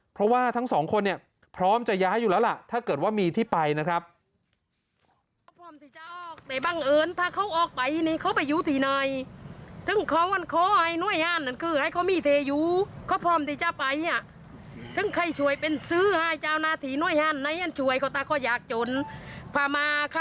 เพราะว่าทั้งสองคนเนี่ยพร้อมจะย้ายอยู่แล้วล่ะถ้าเกิดว่ามีที่ไปนะครับ